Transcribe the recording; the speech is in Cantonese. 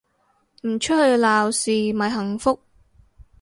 唔出去鬧事咪幸福